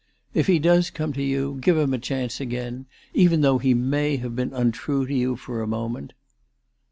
"If he does come to you give him a chance again, even though he may have been untrue to you for a moment."